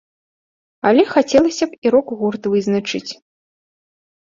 Але хацелася б і рок-гурт вызначыць.